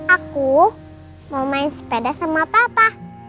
aku mau main sepeda sama papa